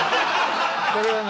これはね